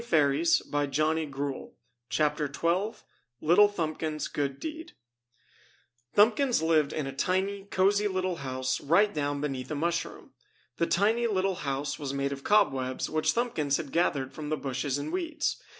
LITTLE THUMBKIN'S GOOD DEED Thumbkins lived in a tiny, cozy little house right down beneath a mushroom. The tiny, little house was made of cobwebs which Thumbkins had gathered from the bushes and weeds.